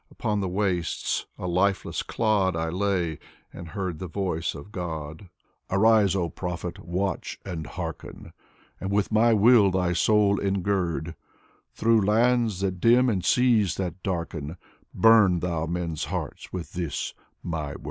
Upon the wastes, a lifeless clod, I lay, and heard the voice of God: Alexander Pushkin " Arise, oh prophet, watch and hearken, And with my Will thy soul engird, Through lands that dim and seas that darken, Bum thou men's hearts with this, my Word.'